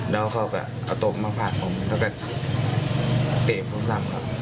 แล้วเขาก็เอาตบมาฟาดผมแล้วก็เตะผมซ้ำครับ